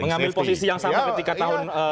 mengambil posisi yang sama ketika tahun yang lalu ya